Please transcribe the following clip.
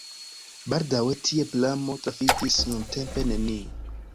Baldaŭe tie pramo trafikis, nuntempe nenio.